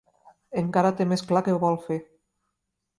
Encara té més clar què vol fer.